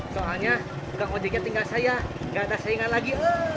soalnya bukang ojeknya tinggal saya gak ada saingan lagi